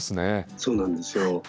そうなんですよ。